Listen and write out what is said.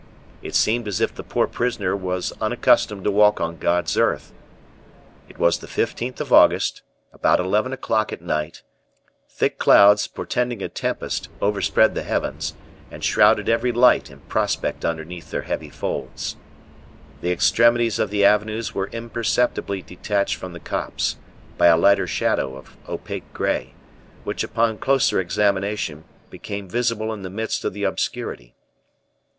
It seemed as if the poor prisoner was unaccustomed to walk on God's earth. It was the 15th of August, about eleven o'clock at night; thick clouds, portending a tempest, overspread the heavens, and shrouded every light and prospect underneath their heavy folds. The extremities of the avenues were imperceptibly detached from the copse, by a lighter shadow of opaque gray, which, upon closer examination, became visible in the midst of the obscurity.